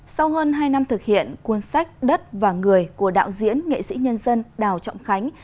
sau hơn hai năm thực hiện cuốn sách đất và người của đạo diễn nghệ sĩ nhân dân đào trọng khánh